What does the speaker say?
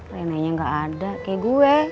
reina nya gak ada kayak gue